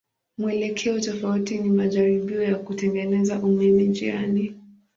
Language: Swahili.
Mwelekeo tofauti ni majaribio ya kutengeneza umeme njiani.